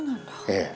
ええ。